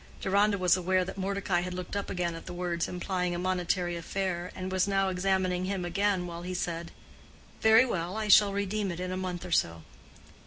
Deronda was aware that Mordecai had looked up again at the words implying a monetary affair, and was now examining him again, while he said, "Very well, I shall redeem it in a month or so."